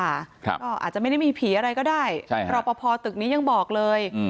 อาจจะไม่ได้มีผีอะไรก็ได้รอปภตึกนี้ยังบอกเลย